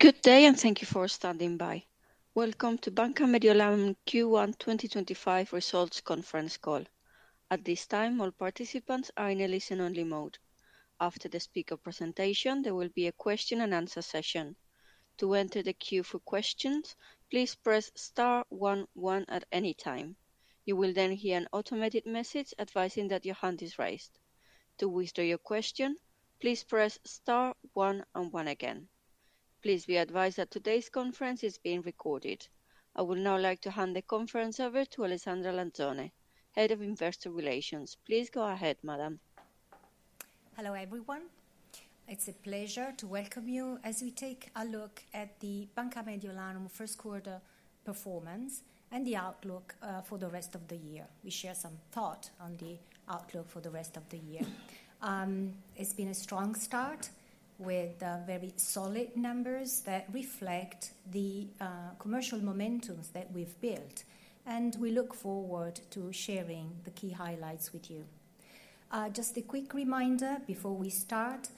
Good day and thank you for standing by. Welcome to Banca Mediolanum Q1 2025 results conference call. At this time, all participants are in a listen-only mode. After the speaker presentation, there will be a question-and-answer session. To enter the queue for questions, please press star 1, 1 at any time. You will then hear an automated message advising that your hand is raised. To withdraw your question, please press star 1, and 1 again. Please be advised that today's conference is being recorded. I would now like to hand the conference over to Alessandra Lanzone, Head of Investor Relations. Please go ahead, Madam. Hello everyone. It's a pleasure to welcome you as we take a look at the Banca Mediolanum first quarter performance and the outlook for the rest of the year. We share some thoughts on the outlook for the rest of the year. It's been a strong start with very solid numbers that reflect the commercial momentum that we've built, and we look forward to sharing the key highlights with you. Just a quick reminder before we start,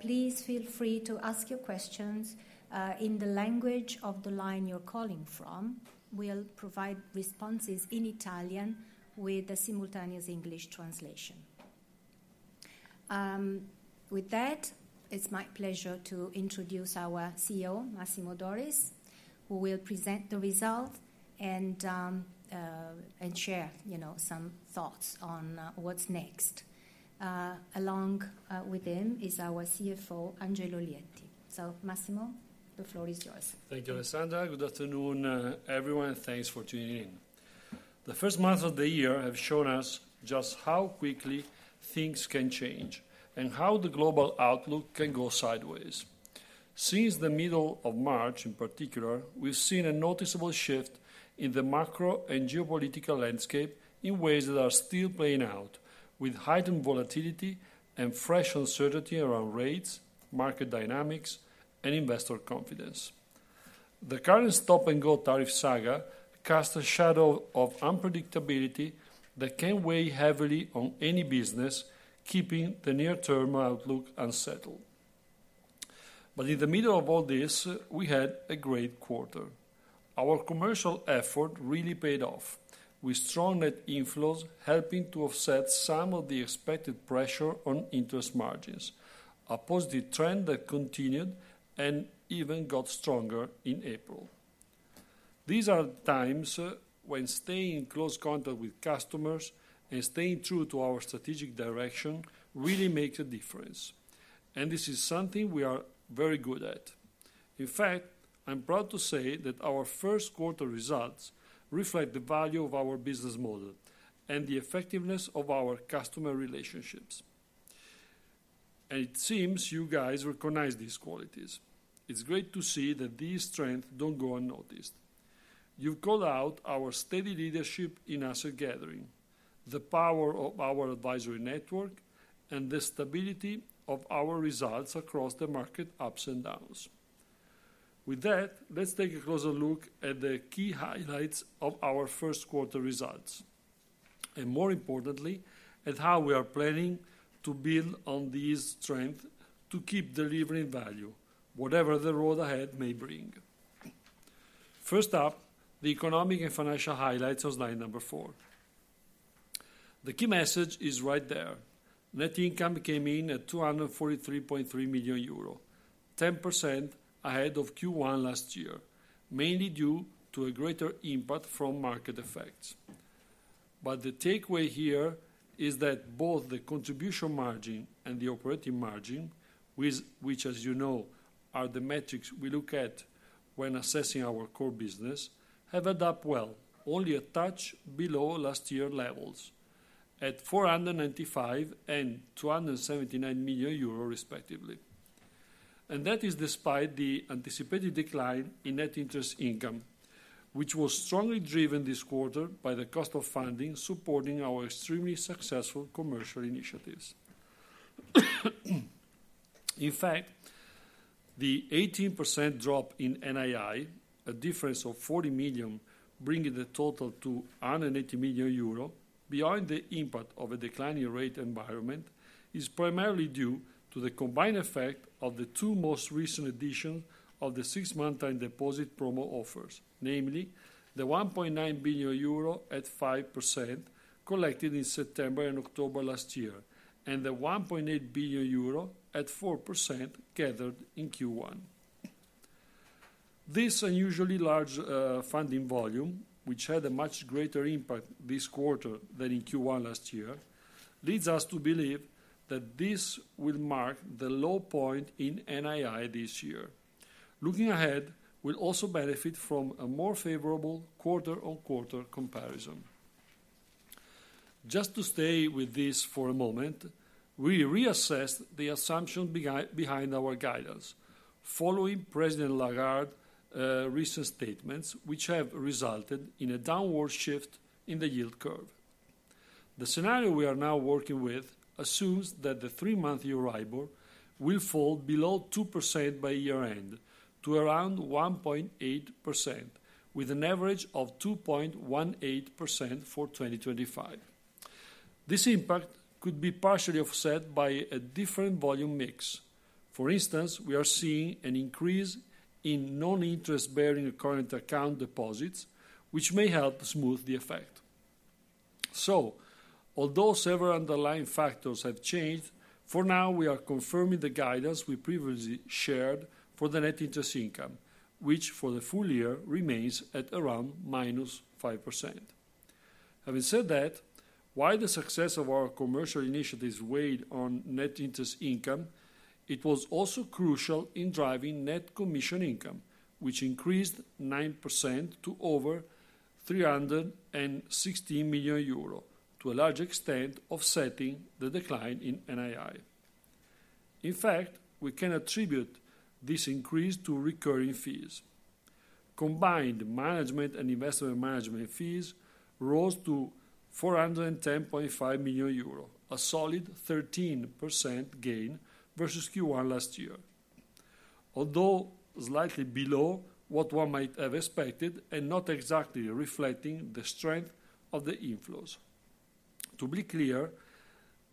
please feel free to ask your questions in the language of the line you're calling from. We'll provide responses in Italian with a simultaneous English translation. With that, it's my pleasure to introduce our CEO, Massimo Doris, who will present the result and share some thoughts on what's next. Along with him is our CFO, Angelo Lietti. So, Massimo, the floor is yours. Thank you, Alessandra. Good afternoon, everyone, and thanks for tuning in. The first month of the year has shown us just how quickly things can change and how the global outlook can go sideways. Since the middle of March, in particular, we've seen a noticeable shift in the macro and geopolitical landscape in ways that are still playing out, with heightened volatility and fresh uncertainty around rates, market dynamics, and investor confidence. The current stop-and-go tariff saga casts a shadow of unpredictability that can weigh heavily on any business, keeping the near-term outlook unsettled. But in the middle of all this, we had a great quarter. Our commercial effort really paid off, with strong net inflows helping to offset some of the expected pressure on interest margins, a positive trend that continued and even got stronger in April. These are times when staying in close contact with customers and staying true to our strategic direction really makes a difference, and this is something we are very good at. In fact, I'm proud to say that our first quarter results reflect the value of our business model and the effectiveness of our customer relationships. And it seems you guys recognize these qualities. It's great to see that these strengths don't go unnoticed. You've called out our steady leadership in asset gathering, the power of our advisory network, and the stability of our results across the market ups and downs. With that, let's take a closer look at the key highlights of our first quarter results, and more importantly, at how we are planning to build on these strengths to keep delivering value, whatever the road ahead may bring. First up, the economic and financial highlights on slide number four. The key message is right there. Net income came in at 243.3 million euro, 10% ahead of Q1 last year, mainly due to a greater impact from market effects, but the takeaway here is that both the contribution margin and the operating margin, which, as you know, are the metrics we look at when assessing our core business, have adapted well, only a touch below last year's levels at 495 and 279 million euro, respectively, and that is despite the anticipated decline in net interest income, which was strongly driven this quarter by the cost of funding supporting our extremely successful commercial initiatives. In fact, the 18% drop in NII, a difference of 40 million, bringing the total to 180 million euro, beyond the impact of a declining rate environment, is primarily due to the combined effect of the two most recent additions of the six-month time deposit promo offers, namely the 1.9 billion euro at 5% collected in September and October last year, and the 1.8 billion euro at 4% gathered in Q1. This unusually large funding volume, which had a much greater impact this quarter than in Q1 last year, leads us to believe that this will mark the low point in NII this year. Looking ahead, we'll also benefit from a more favorable quarter-on-quarter comparison. Just to stay with this for a moment, we reassessed the assumption behind our guidance, following President Lagarde's recent statements, which have resulted in a downward shift in the yield curve. The scenario we are now working with assumes that the three-month Euribor will fall below 2% by year-end to around 1.8%, with an average of 2.18% for 2025. This impact could be partially offset by a different volume mix. For instance, we are seeing an increase in non-interest-bearing current account deposits, which may help smooth the effect, so although several underlying factors have changed, for now, we are confirming the guidance we previously shared for the net interest income, which for the full year remains at around minus 5%. Having said that, while the success of our commercial initiatives weighed on net interest income, it was also crucial in driving net commission income, which increased 9% to over 316 million euro, to a large extent offsetting the decline in NII. In fact, we can attribute this increase to recurring fees. Combined, management and investment management fees rose to 410.5 million euro, a solid 13% gain versus Q1 last year, although slightly below what one might have expected and not exactly reflecting the strength of the inflows. To be clear,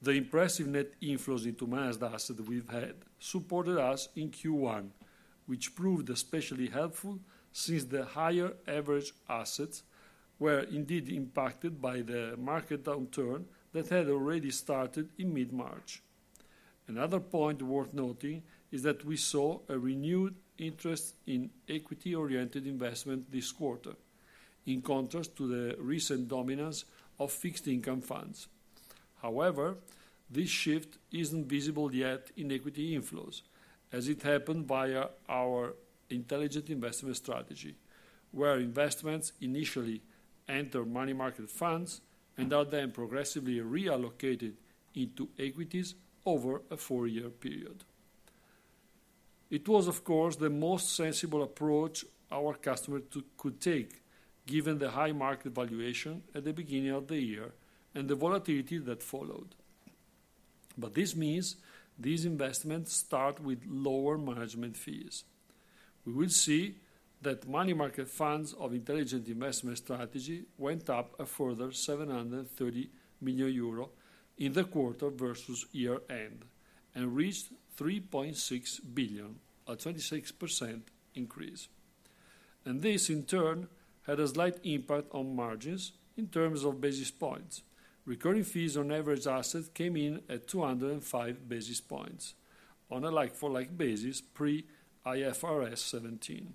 the impressive net inflows into managed assets we've had supported us in Q1, which proved especially helpful since the higher average assets were indeed impacted by the market downturn that had already started in mid-March. Another point worth noting is that we saw a renewed interest in equity-oriented investment this quarter, in contrast to the recent dominance of fixed income funds. However, this shift isn't visible yet in equity inflows, as it happened via our Intelligent Investment Strategy, where investments initially enter money market funds and are then progressively reallocated into equities over a four-year period. It was, of course, the most sensible approach our customers could take, given the high market valuation at the beginning of the year and the volatility that followed, but this means these investments start with lower management fees. We will see that money market funds of Intelligent Investment Strategy went up a further 730 million euro in the quarter versus year-end and reached 3.6 billion, a 26% increase, and this, in turn, had a slight impact on margins in terms of basis points. Recurring fees on average assets came in at 205 basis points, on a like-for-like basis pre-IFRS 17.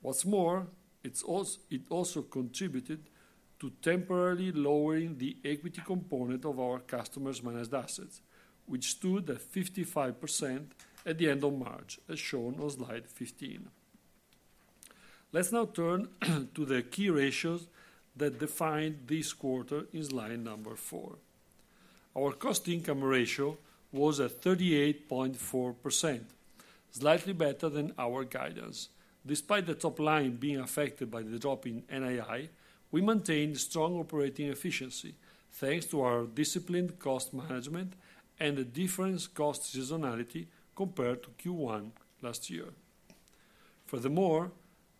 What's more, it also contributed to temporarily lowering the equity component of our customers' managed assets, which stood at 55% at the end of March, as shown on slide 15. Let's now turn to the key ratios that defined this quarter in slide number four. Our cost-to-income ratio was at 38.4%, slightly better than our guidance. Despite the top line being affected by the drop in NII, we maintained strong operating efficiency thanks to our disciplined cost management and the different cost seasonality compared to Q1 last year. Furthermore,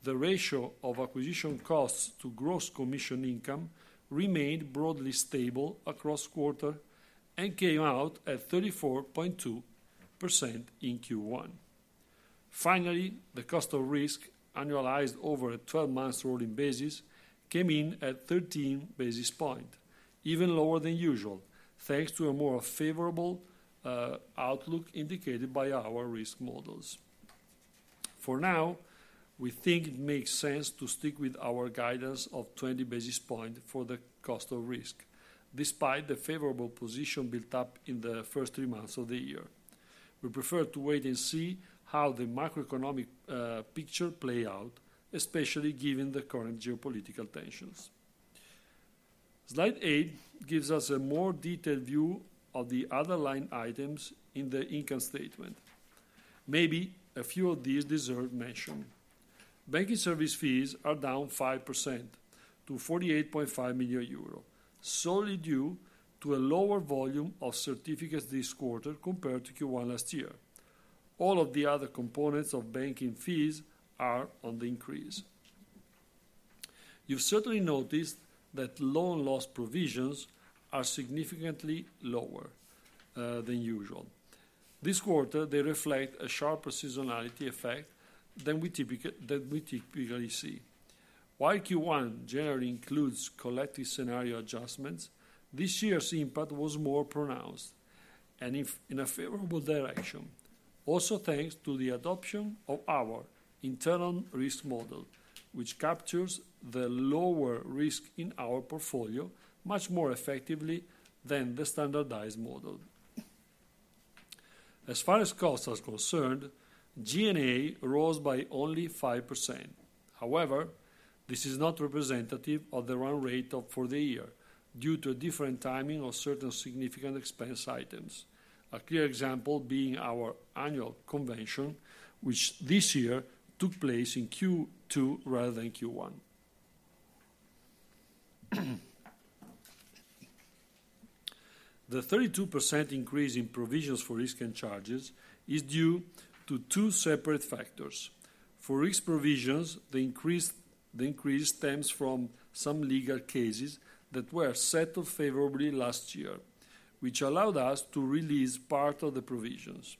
the ratio of acquisition costs to gross commission income remained broadly stable across the quarter and came out at 34.2% in Q1. Finally, the cost of risk, annualized over a 12-month rolling basis, came in at 13 basis points, even lower than usual, thanks to a more favorable outlook indicated by our risk models. For now, we think it makes sense to stick with our guidance of 20 basis points for the cost of risk, despite the favorable position built up in the first three months of the year. We prefer to wait and see how the macroeconomic picture plays out, especially given the current geopolitical tensions. Slide eight gives us a more detailed view of the underlying items in the income statement. Maybe a few of these deserve mention. Banking service fees are down 5% to 48.5 million euro, solely due to a lower volume of certificates this quarter compared to Q1 last year. All of the other components of banking fees are on the increase. You've certainly noticed that loan loss provisions are significantly lower than usual. This quarter, they reflect a sharper seasonality effect than we typically see. While Q1 generally includes collective scenario adjustments, this year's impact was more pronounced and in a favorable direction, also thanks to the adoption of our internal risk model, which captures the lower risk in our portfolio much more effectively than the standardized model. As far as costs are concerned, G&A rose by only 5%. However, this is not representative of the run rate for the year due to a different timing of certain significant expense items, a clear example being our annual convention, which this year took place in Q2 rather than Q1. The 32% increase in provisions for risk and charges is due to two separate factors. For risk provisions, the increase stems from some legal cases that were settled favorably last year, which allowed us to release part of the provisions.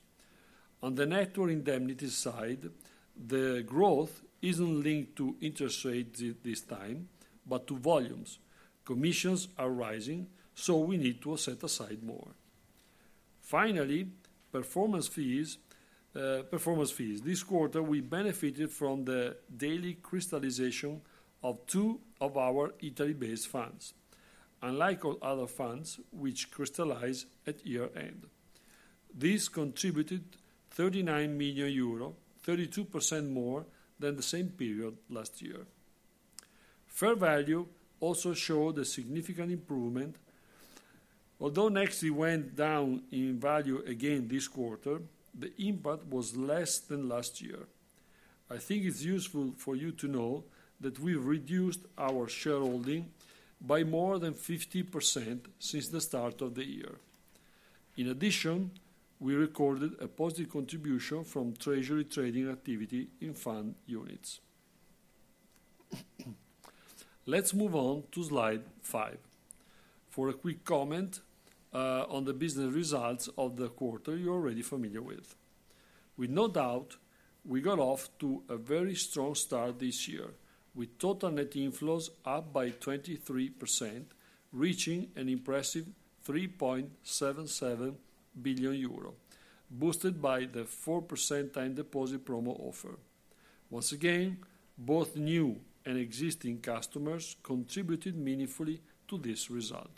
On the network indemnity side, the growth isn't linked to interest rates this time, but to volumes. Commissions are rising, so we need to set aside more. Finally, performance fees. Performance fees. This quarter, we benefited from the daily crystallization of two of our Italy-based funds, unlike other funds which crystallize at year-end. This contributed 39 million euro, 32% more than the same period last year. Fair value also showed a significant improvement. Although Nexi went down in value again this quarter, the impact was less than last year. I think it's useful for you to know that we've reduced our shareholding by more than 50% since the start of the year. In addition, we recorded a positive contribution from treasury trading activity in fund units. Let's move on to slide five for a quick comment on the business results of the quarter you're already familiar with. With no doubt, we got off to a very strong start this year, with total net inflows up by 23%, reaching an impressive 3.77 billion euro, boosted by the 4% time deposit promo offer. Once again, both new and existing customers contributed meaningfully to this result.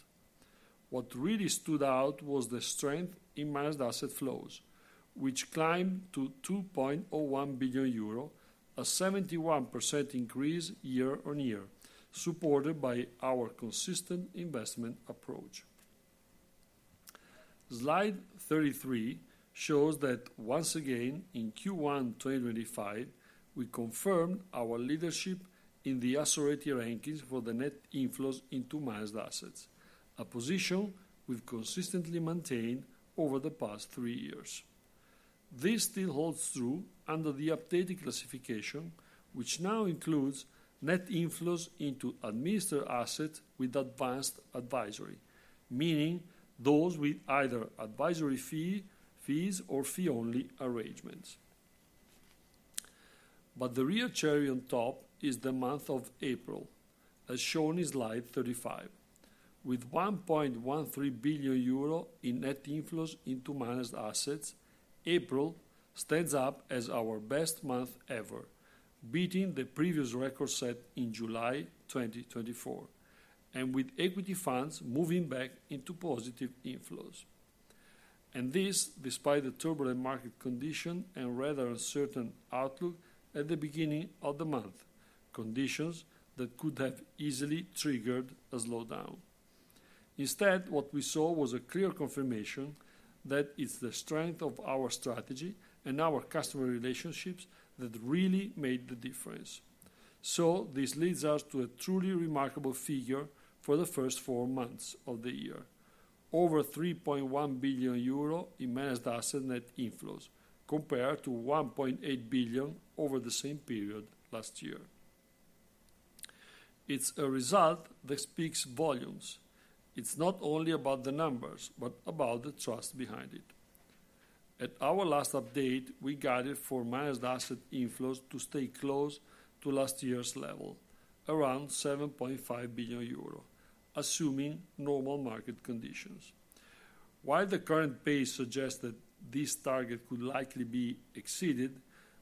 What really stood out was the strength in managed asset flows, which climbed to 2.01 billion euro, a 71% increase year on year, supported by our consistent investment approach. Slide 33 shows that once again, in Q1 2025, we confirmed our leadership in the Assoreti rankings for the net inflows into managed assets, a position we've consistently maintained over the past three years. This still holds true under the updated classification, which now includes net inflows into administered assets with advanced advisory, meaning those with either advisory fees or fee-only arrangements. But the real cherry on top is the month of April, as shown in slide 35. With 1.13 billion euro in net inflows into managed assets, April stands up as our best month ever, beating the previous record set in July 2024, and with equity funds moving back into positive inflows. This, despite the turbulent market condition and rather uncertain outlook at the beginning of the month, conditions that could have easily triggered a slowdown. Instead, what we saw was a clear confirmation that it's the strength of our strategy and our customer relationships that really made the difference. So this leads us to a truly remarkable figure for the first four months of the year: over 3.1 billion euro in managed asset net inflows, compared to 1.8 billion over the same period last year. It's a result that speaks volumes. It's not only about the numbers, but about the trust behind it. At our last update, we guided for managed asset inflows to stay close to last year's level, around 7.5 billion euro, assuming normal market conditions. While the current pace suggests that this target could likely be exceeded,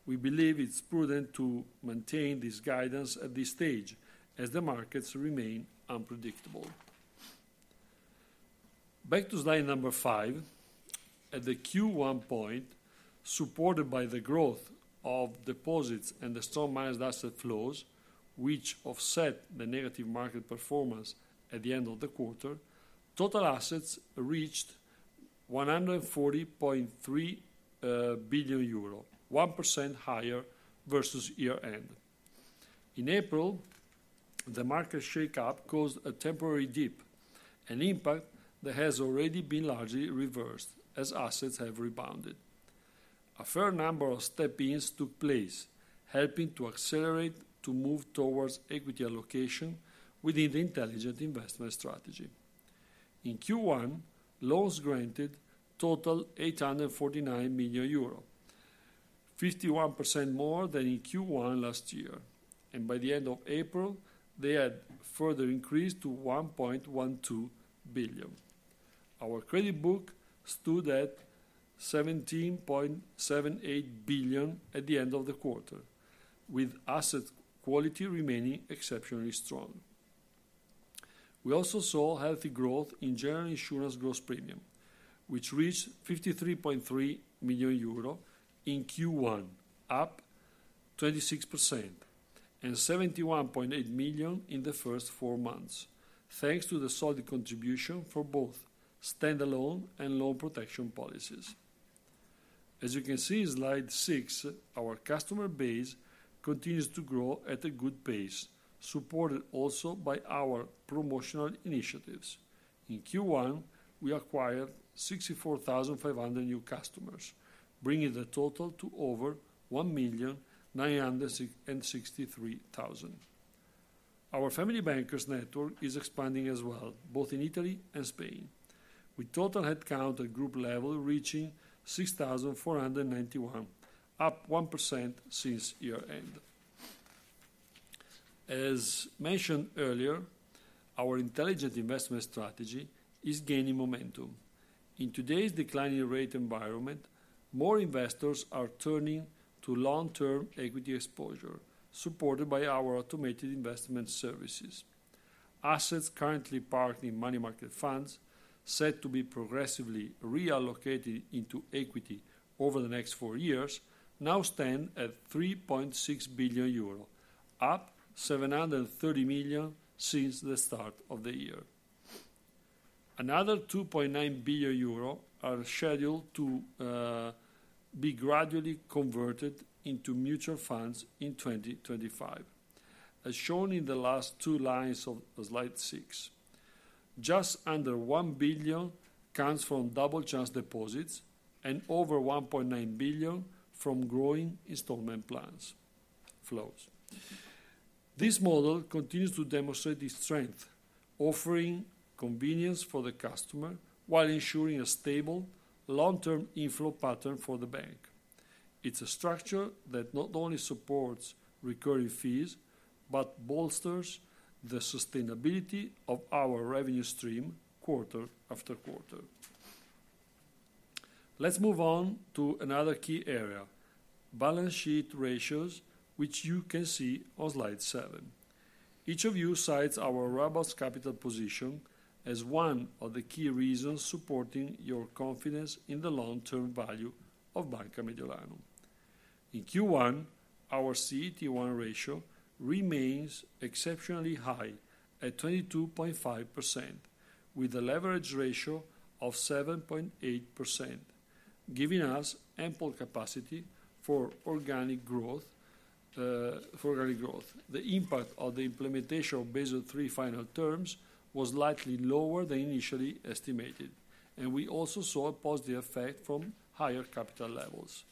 we believe it's prudent to maintain this guidance at this stage, as the markets remain unpredictable. Back to slide number five. At the Q1 point, supported by the growth of deposits and the strong managed asset flows, which offset the negative market performance at the end of the quarter, total assets reached 140.3 billion euro, 1% higher versus year-end. In April, the market shake-up caused a temporary dip, an impact that has already been largely reversed as assets have rebounded. A fair number of Step-Ins took place, helping to accelerate to move towards equity allocation within the Intelligent Investment Strategy. In Q1, loans granted total 849 million euro, 51% more than in Q1 last year, and by the end of April, they had further increased to 1.12 billion. Our credit book stood at 17.78 billion at the end of the quarter, with asset quality remaining exceptionally strong. We also saw healthy growth in general insurance gross premium, which reached 53.3 million euro in Q1, up 26%, and 71.8 million in the first four months, thanks to the solid contribution for both standalone and loan protection policies. As you can see in slide six, our customer base continues to grow at a good pace, supported also by our promotional initiatives. In Q1, we acquired 64,500 new customers, bringing the total to over 1,963,000. Our Family Banker network is expanding as well, both in Italy and Spain, with total headcount at group level reaching 6,491, up 1% since year-end. As mentioned earlier, our Intelligent Investment Strategy is gaining momentum. In today's declining rate environment, more investors are turning to long-term equity exposure, supported by our automated investment services. Assets currently parked in money market funds, set to be progressively reallocated into equity over the next four years, now stand at 3.6 billion euro, up 730 million since the start of the year. Another 2.9 billion euro are scheduled to be gradually converted into mutual funds in 2025, as shown in the last two lines of slide six. Just under one billion comes from Double Chance deposits and over 1.9 billion from growing installment plans flows. This model continues to demonstrate its strength, offering convenience for the customer while ensuring a stable long-term inflow pattern for the bank. It's a structure that not only supports recurring fees but bolsters the sustainability of our revenue stream quarter after quarter. Let's move on to another key area: balance sheet ratios, which you can see on slide seven. Each of you cites our robust capital position as one of the key reasons supporting your confidence in the long-term value of Banca Mediolanum. In Q1, our CET1 ratio remains exceptionally high at 22.5%, with a leverage ratio of 7.8%, giving us ample capacity for organic growth. The impact of the implementation of Basel III final terms was likely lower than initially estimated, and we also saw a positive effect from higher capital levels.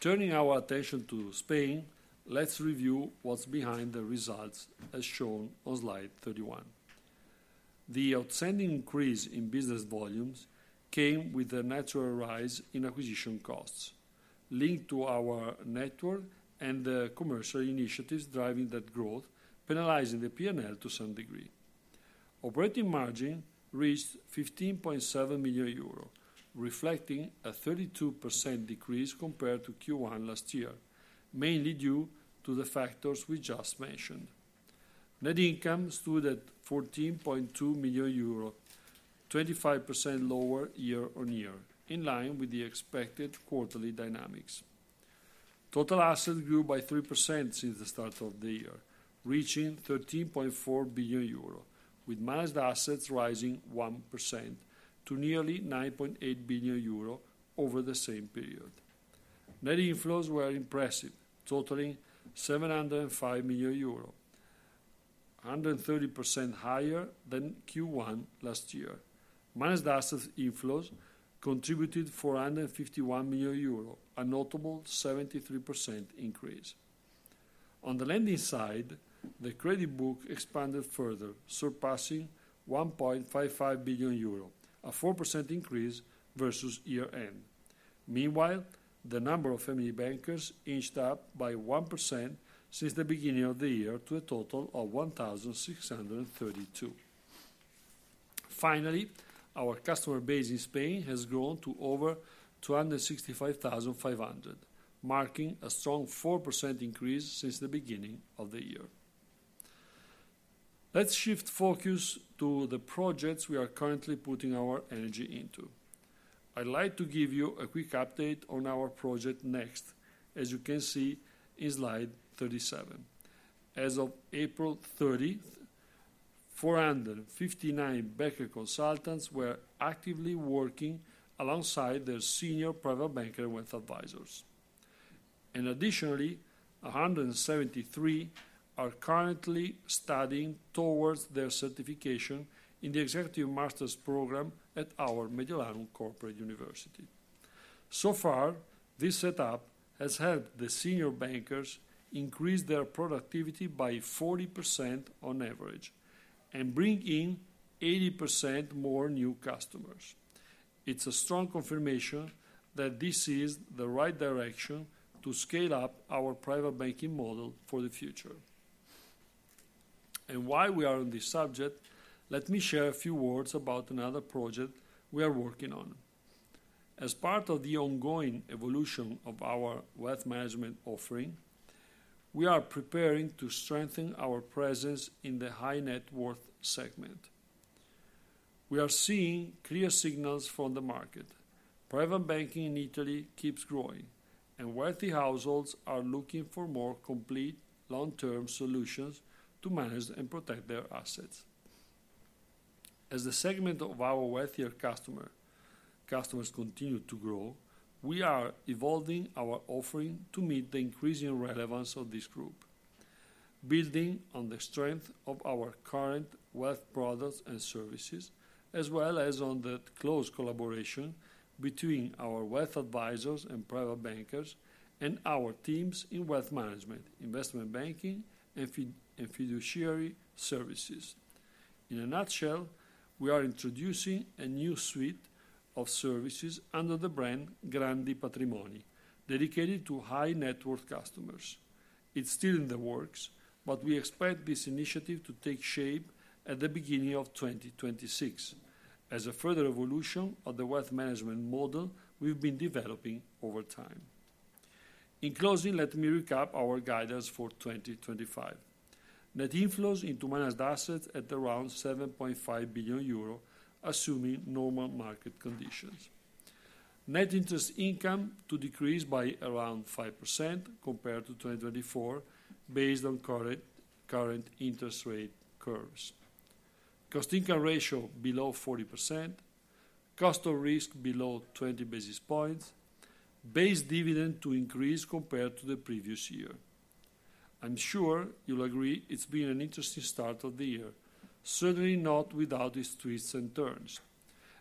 Turning our attention to Spain, let's review what's behind the results, as shown on slide 31. The outstanding increase in business volumes came with a natural rise in acquisition costs, linked to our network and the commercial initiatives driving that growth, penalizing the P&L to some degree. Operating margin reached 15.7 million euro, reflecting a 32% decrease compared to Q1 last year, mainly due to the factors we just mentioned. Net income stood at 14.2 million euro, 25% lower year on year, in line with the expected quarterly dynamics. Total assets grew by 3% since the start of the year, reaching 13.4 billion euro, with managed assets rising 1% to nearly 9.8 billion euro over the same period. Net inflows were impressive, totaling 705 million euro, 130% higher than Q1 last year. Managed asset inflows contributed 451 million euro, a notable 73% increase. On the lending side, the credit book expanded further, surpassing 1.55 billion euro, a 4% increase versus year-end. Meanwhile, the number of Family Bankers inched up by 1% since the beginning of the year to a total of 1,632. Finally, our customer base in Spain has grown to over 265,500, marking a strong 4% increase since the beginning of the year. Let's shift focus to the projects we are currently putting our energy into. I'd like to give you a quick update on our Project Next, as you can see in slide 37. As of April 30, 459 Banker Consultants were actively working alongside their Senior Private Banker with advisors. And additionally, 173 are currently studying towards their certification in the Executive Master's program at our Mediolanum Corporate University. So far, this setup has helped the senior bankers increase their productivity by 40% on average and bring in 80% more new customers. It's a strong confirmation that this is the right direction to scale up our private banking model for the future. And while we are on this subject, let me share a few words about another project we are working on. As part of the ongoing evolution of our wealth management offering, we are preparing to strengthen our presence in the high-net-worth segment. We are seeing clear signals from the market. Private banking in Italy keeps growing, and wealthy households are looking for more complete long-term solutions to manage and protect their assets. As the segment of our wealthier customers continues to grow, we are evolving our offering to meet the increasing relevance of this group, building on the strength of our current wealth products and services, as well as on the close collaboration between our Wealth Advisors and Private Bankers and our teams in wealth management, investment banking, and fiduciary services. In a nutshell, we are introducing a new suite of services under the brand Grandi Patrimoni, dedicated to high-net-worth customers. It's still in the works, but we expect this initiative to take shape at the beginning of 2026, as a further evolution of the wealth management model we've been developing over time. In closing, let me recap our guidance for 2025. Net inflows into managed assets at around 7.5 billion euro, assuming normal market conditions. Net interest income to decrease by around 5% compared to 2024, based on current interest rate curves. Cost-to-income ratio below 40%. Cost of risk below 20 basis points. Base dividend to increase compared to the previous year. I'm sure you'll agree it's been an interesting start of the year, certainly not without its twists and turns.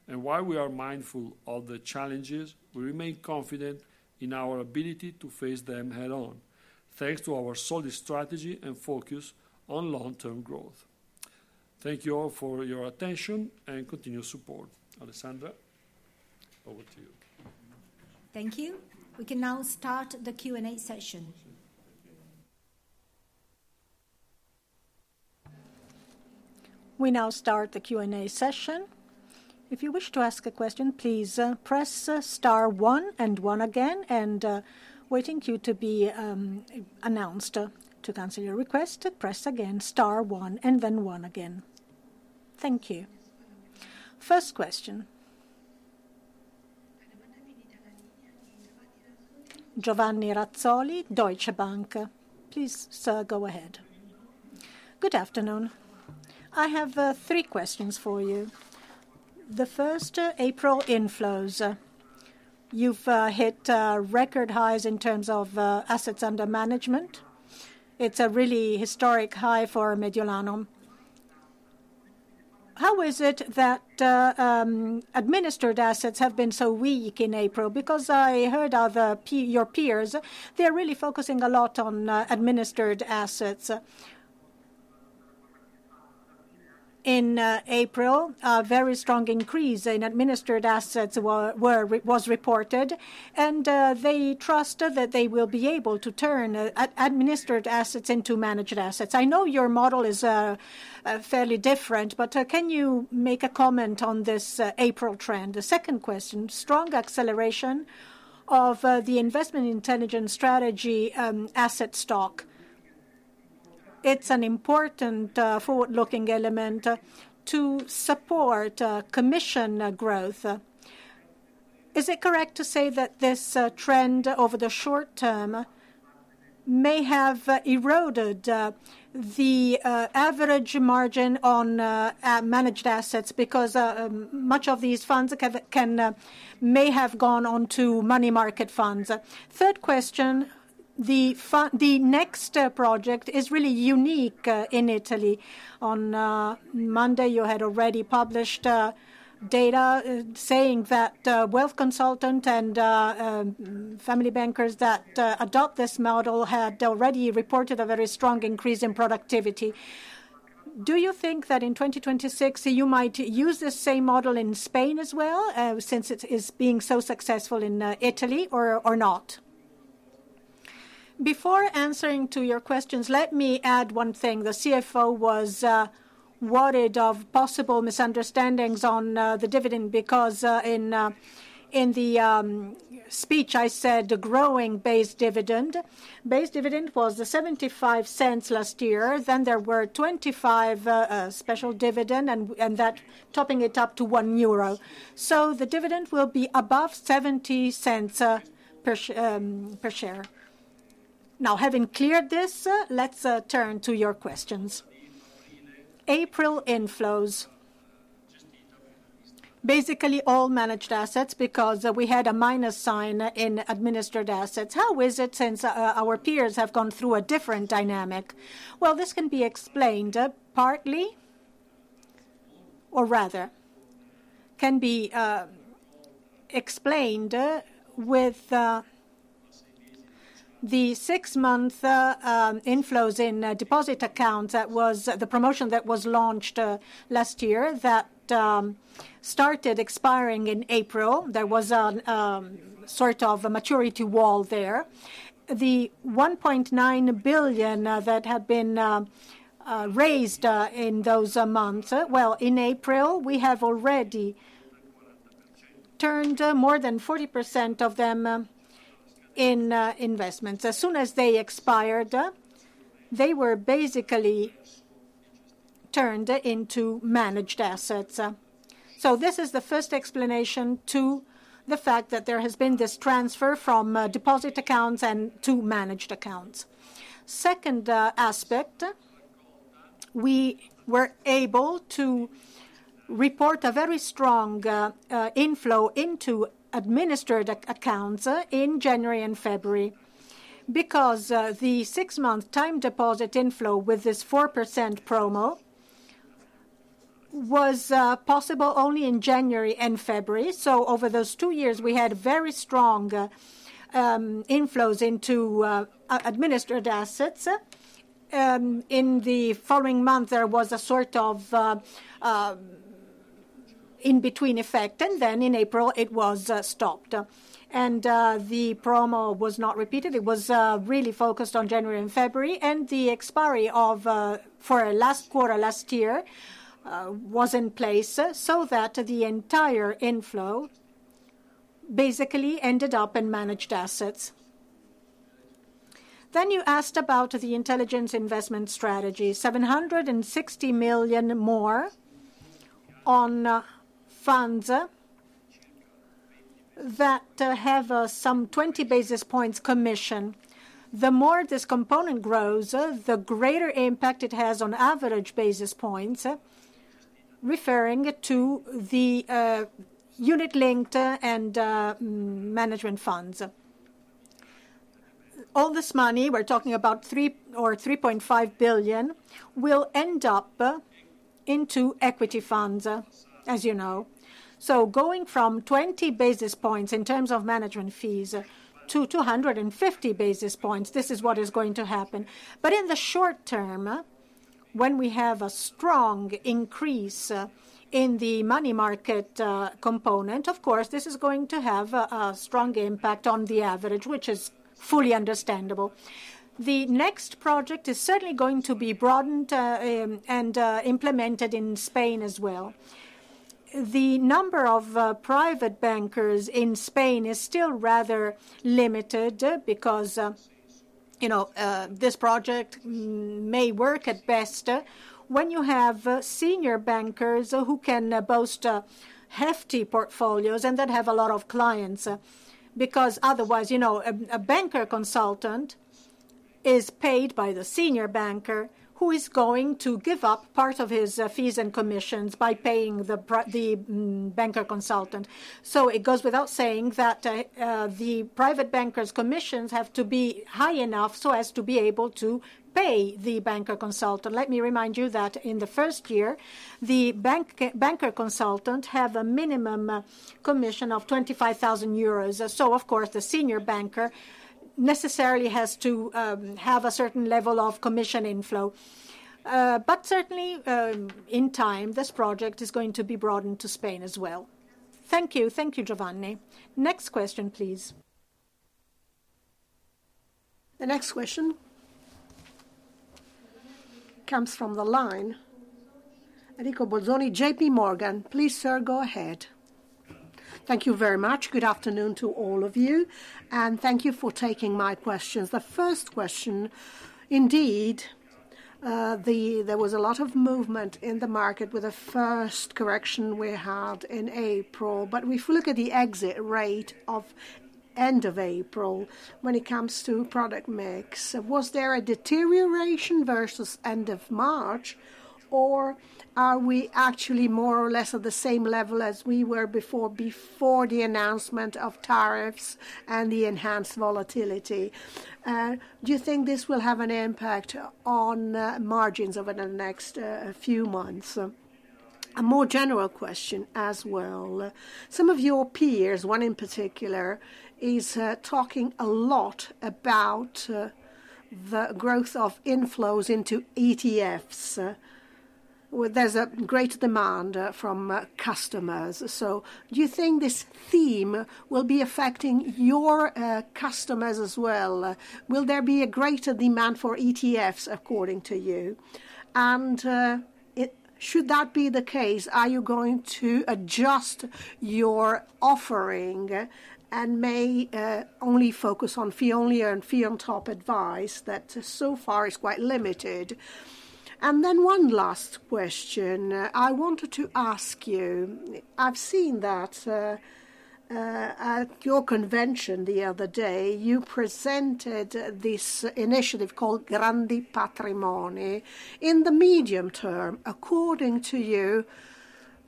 While we are mindful of the challenges, we remain confident in our ability to face them head-on, thanks to our solid strategy and focus on long-term growth. Thank you all for your attention and continued support. Alessandra, over to you. Thank you. We can now start the Q&A session. If you wish to ask a question, please press star one and one again. And waiting for you to be announced to cancel your request, press again star one and then one again. Thank you. First question. Giovanni Razzoli, Deutsche Bank. Please, sir, go ahead. Good afternoon. I have three questions for you. The first, April inflows. You've hit record highs in terms of assets under management. It's a really historic high for Mediolanum. How is it that administered assets have been so weak in April? Because I heard your peers, they're really focusing a lot on administered assets. In April, a very strong increase in administered assets was reported, and they trust that they will be able to turn administered assets into managed assets. I know your model is fairly different, but can you make a comment on this April trend? The second question, strong acceleration of the Intelligent Investment Strategy asset stock. It's an important forward-looking element to support commission growth. Is it correct to say that this trend over the short term may have eroded the average margin on managed assets because much of these funds may have gone on to money market funds? Third question, the Next project is really unique in Italy. On Monday, you had already published data saying that wealth consultants and Family Bankers that adopt this model had already reported a very strong increase in productivity. Do you think that in 2026 you might use the same model in Spain as well, since it is being so successful in Italy, or not? Before answering to your questions, let me add one thing. The CFO was worried of possible misunderstandings on the dividend because in the speech I said the growing base dividend. Base dividend was the 0.75 last year. Then there were 0.25 special dividend and that topping it up to 1 euro. So the dividend will be above 0.70 per share. Now, having cleared this, let's turn to your questions. April inflows. Basically all managed assets because we had a minus sign in administered assets. How is it since our peers have gone through a different dynamic? Well, this can be explained partly, or rather can be explained with the six-month inflows in deposit accounts that was the promotion that was launched last year that started expiring in April. There was a sort of a maturity wall there. The 1.9 billion that had been raised in those months, well, in April, we have already turned more than 40% of them in investments. As soon as they expired, they were basically turned into managed assets. So this is the first explanation to the fact that there has been this transfer from deposit accounts and to managed accounts. Second aspect, we were able to report a very strong inflow into administered accounts in January and February because the six-month time deposit inflow with this 4% promo was possible only in January and February. So over those two years, we had very strong inflows into administered assets. In the following month, there was a sort of in-between effect, and then in April, it was stopped, and the promo was not repeated. It was really focused on January and February, and the expiry for last quarter last year was in place so that the entire inflow basically ended up in managed assets. Then you asked about the Intelligent Investment Strategy, 760 million more on funds that have some 20 basis points commission. The more this component grows, the greater impact it has on average basis points, referring to the unit-linked and management funds. All this money, we're talking about 3 billion or 3.5 billion, will end up into equity funds, as you know. So going from 20 basis points in terms of management fees to 250 basis points, this is what is going to happen. But in the short term, when we have a strong increase in the money market component, of course, this is going to have a strong impact on the average, which is fully understandable. The next project is certainly going to be broadened and implemented in Spain as well. The number of Private Bankers in Spain is still rather limited because this project may work at best when you have senior bankers who can boast hefty portfolios and then have a lot of clients. Because otherwise, a Banker Consultant is paid by the senior banker who is going to give up part of his fees and commissions by paying the Banker Consultant. So it goes without saying that the private banker's commissions have to be high enough so as to be able to pay the Banker Consultant. Let me remind you that in the first year, the Banker Consultant has a minimum commission of 25,000 euros. So, of course, the senior banker necessarily has to have a certain level of commission inflow. But certainly, in time, this project is going to be broadened to Spain as well. Thank you. Thank you, Giovanni. Next question, please. The next question comes from the line. Enrico Bolzoni, J.P. Morgan. Please, sir, go ahead. Thank you very much. Good afternoon to all of you, and thank you for taking my questions. The first question, indeed, there was a lot of movement in the market with the first correction we had in April. But if we look at the exit rate of end of April, when it comes to product mix, was there a deterioration versus end of March, or are we actually more or less at the same level as we were before the announcement of tariffs and the enhanced volatility? Do you think this will have an impact on margins over the next few months? A more general question as well. Some of your peers, one in particular, is talking a lot about the growth of inflows into ETFs. There's a greater demand from customers. So do you think this theme will be affecting your customers as well? Will there be a greater demand for ETFs, according to you? Should that be the case, are you going to adjust your offering and may only focus on fee-only and fee-on-top advice that so far is quite limited? One last question I wanted to ask you. I've seen that at your convention the other day, you presented this initiative called Grandi Patrimoni. In the medium term, according to you,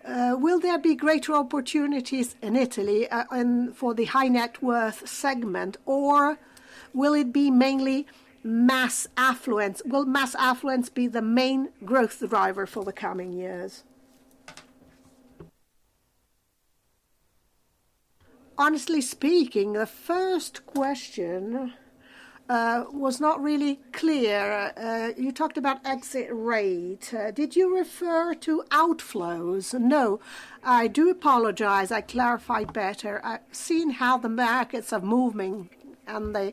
will there be greater opportunities in Italy for the high-net-worth segment, or will it be mainly mass affluence? Will mass affluence be the main growth driver for the coming years? Honestly speaking, the first question was not really clear. You talked about exit rate. Did you refer to outflows? No. I do apologize. I clarified better. I've seen how the markets are moving and the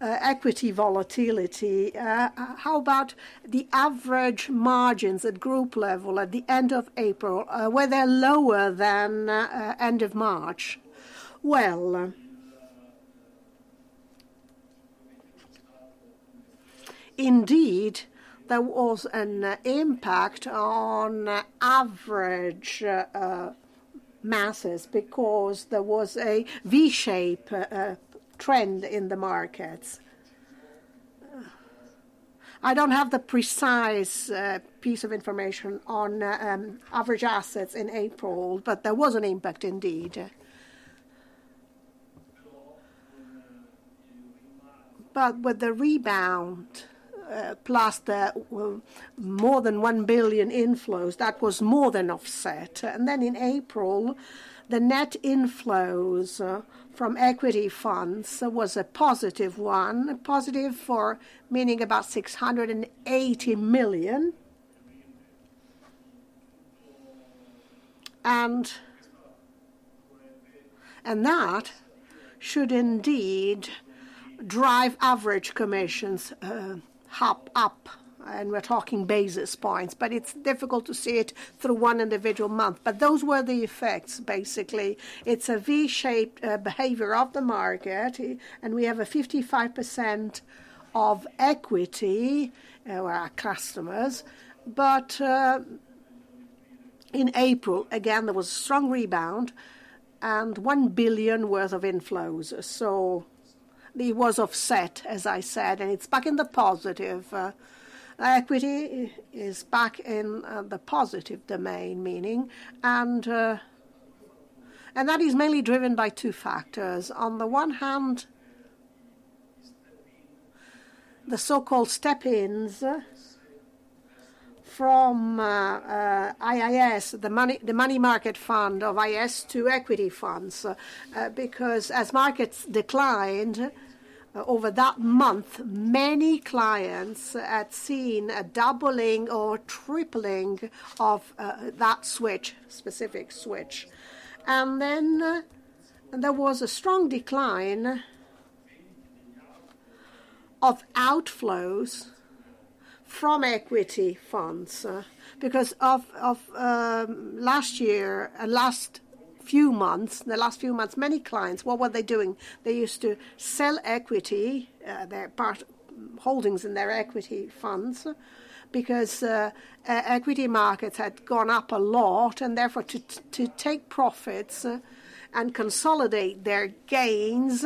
equity volatility. How about the average margins at group level at the end of April? Were they lower than end of March? Indeed, there was an impact on average assets because there was a V-shape trend in the markets. I don't have the precise piece of information on average assets in April, but there was an impact, indeed. But with the rebound, plus the more than 1 billion inflows, that was more than offset. And then in April, the net inflows from equity funds was a positive one, positive for meaning about 680 million. And that should indeed drive average commissions up. And we're talking basis points, but it's difficult to see it through one individual month. But those were the effects, basically. It's a V-shaped behavior of the market, and we have a 55% of equity or our customers. But in April, again, there was a strong rebound and 1 billion worth of inflows. So it was offset, as I said, and it's back in the positive. Equity is back in the positive domain, meaning. And that is mainly driven by two factors. On the one hand, the so-called Step-Ins from IIS, the money market fund of IIS to equity funds. Because as markets declined over that month, many clients had seen a doubling or tripling of that switch, specific switch. And then there was a strong decline of outflows from equity funds. Because of last year, last few months, the last few months, many clients, what were they doing? They used to sell equity, their holdings in their equity funds, because equity markets had gone up a lot. And therefore, to take profits and consolidate their gains,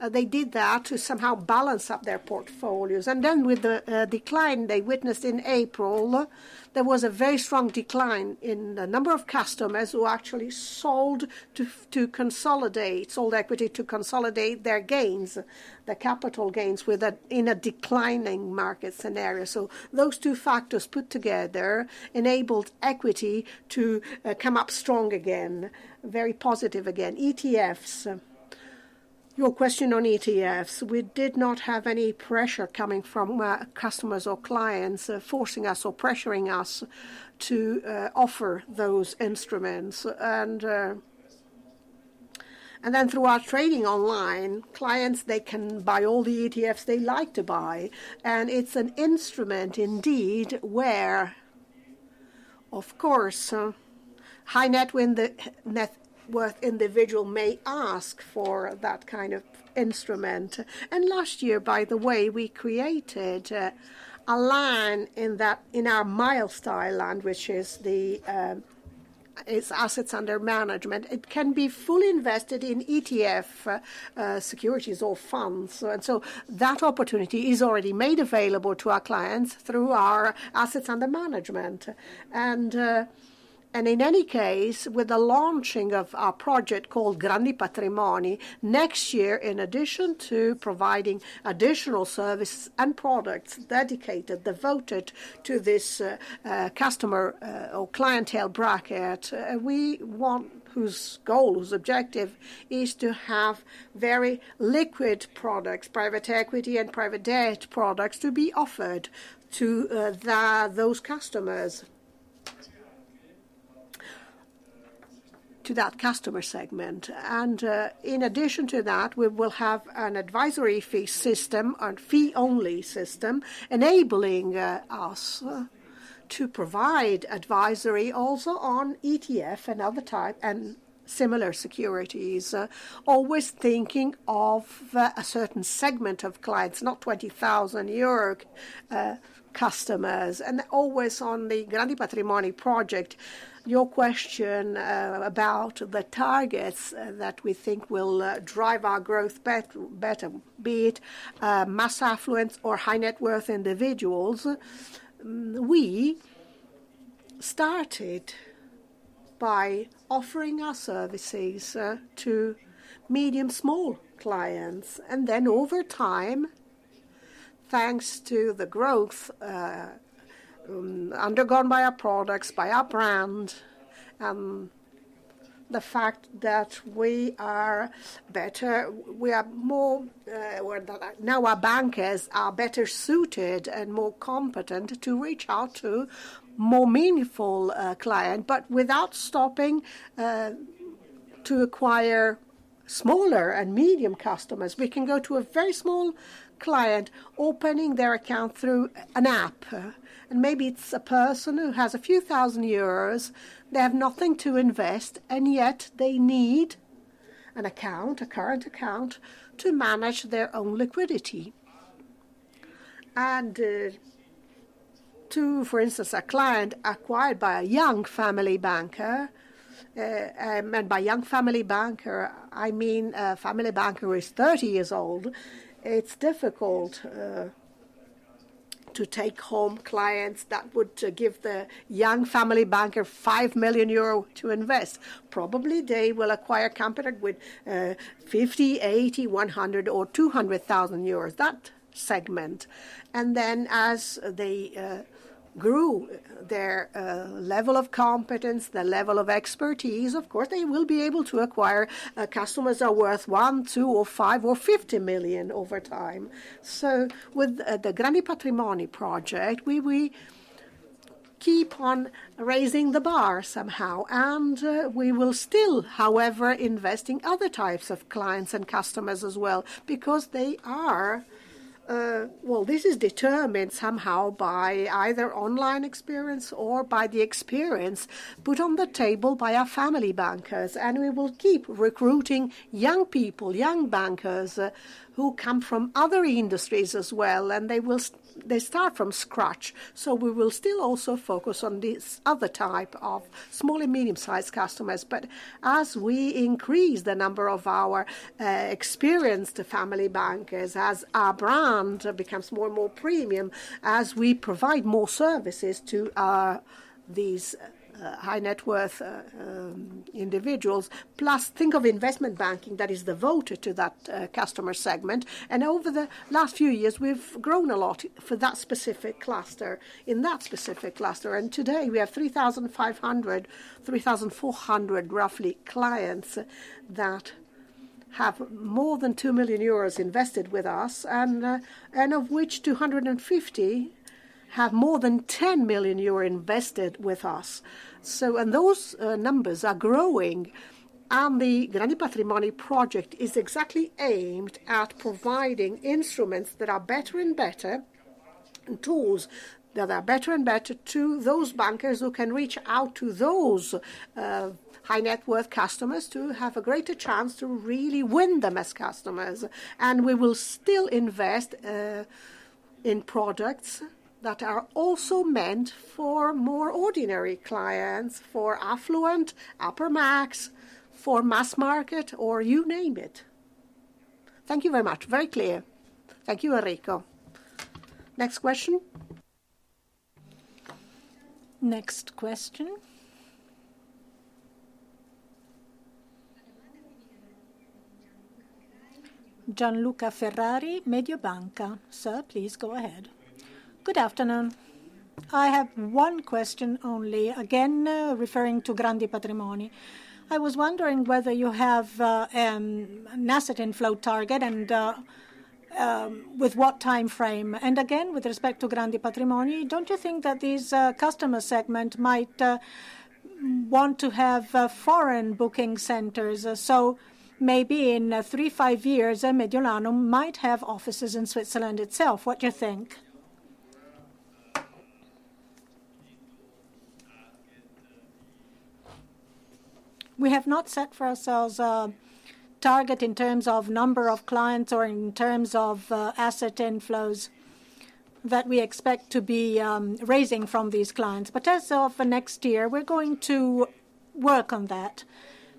they did that to somehow balance up their portfolios. And then with the decline they witnessed in April, there was a very strong decline in the number of customers who actually sold to consolidate, sold equity to consolidate their gains, the capital gains in a declining market scenario. So those two factors put together enabled equity to come up strong again, very positive again. ETFs. Your question on ETFs. We did not have any pressure coming from customers or clients forcing us or pressuring us to offer those instruments. And then through our trading online, clients, they can buy all the ETFs they like to buy. And it's an instrument, indeed, where, of course, high-net-worth individual may ask for that kind of instrument. And last year, by the way, we created a line in our Milestone line, which is the assets under management. It can be fully invested in ETF securities or funds. And so that opportunity is already made available to our clients through our assets under management. And in any case, with the launching of our project called Grandi Patrimoni, next year, in addition to providing additional services and products dedicated, devoted to this customer or clientele bracket, we want whose goal, whose objective is to have very liquid products, private equity and private debt products to be offered to those customers, to that customer segment. And in addition to that, we will have an advisory fee system, a fee-only system, enabling us to provide advisory also on ETF and other types and similar securities, always thinking of a certain segment of clients, not 20,000 euro customers. And always on the Grandi Patrimoni project, your question about the targets that we think will drive our growth better, be it mass affluence or high-net-worth individuals, we started by offering our services to medium-small clients. And then over time, thanks to the growth undergone by our products, by our brand, and the fact that we are better, we are more now our bankers are better suited and more competent to reach out to more meaningful clients. But without stopping to acquire smaller and medium customers, we can go to a very small client opening their account through an app. And maybe it's a person who has a few thousand euros. They have nothing to invest, and yet they need an account, a current account, to manage their own liquidity. To, for instance, a client acquired by a young Family Banker, and by young Family Banker, I mean a Family Banker who is 30 years old, it is difficult to take home clients that would give the young Family Banker 5 million euro to invest. Probably they will acquire a company with 50,000, 80,000, 100,000, or 200,000 euros, that segment. Then as they grow their level of competence, their level of expertise, of course, they will be able to acquire customers that are worth 1, 2, 5, or 50 million over time. With the Grandi Patrimoni project, we keep on raising the bar somehow. We will still, however, invest in other types of clients and customers as well because they are, well, this is determined somehow by either online experience or by the experience put on the table by our Family Bankers. And we will keep recruiting young people, young bankers who come from other industries as well. And they start from scratch. So we will still also focus on this other type of small and medium-sized customers. But as we increase the number of our experienced Family Bankers, as our brand becomes more and more premium, as we provide more services to these high-net-worth individuals, plus think of investment banking that is devoted to that customer segment. And over the last few years, we've grown a lot for that specific cluster, in that specific cluster. And today, we have 3,500, 3,400 roughly clients that have more than 2 million euros invested with us, and of which 250 have more than 10 million euro invested with us. And those numbers are growing. The Grandi Patrimoni project is exactly aimed at providing instruments that are better and better, tools that are better and better to those bankers who can reach out to those high-net-worth customers to have a greater chance to really win them as customers. We will still invest in products that are also meant for more ordinary clients, for affluent, upper mass, for mass market, or you name it. Thank you very much. Very clear. Thank you, Enrico. Next question. Next question. Gianluca Ferrari, Mediobanca. Sir, please go ahead. Good afternoon. I have one question only, again referring to Grandi Patrimoni. I was wondering whether you have an asset inflow target and with what time frame. And again, with respect to Grandi Patrimoni, don't you think that this customer segment might want to have foreign booking centers? So maybe in three, five years, Mediolanum might have offices in Switzerland itself. What do you think? We have not set for ourselves a target in terms of number of clients or in terms of asset inflows that we expect to be raising from these clients. But as of next year, we're going to work on that